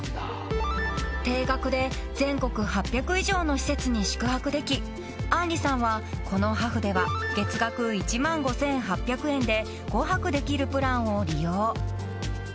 ［定額で全国８００以上の施設に宿泊でき杏里さんはこのＨａｆＨでは月額１万５，８００円で５泊できるプランを利用］